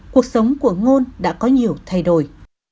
cuộc sống của ngôn đã có nhiều thay đổi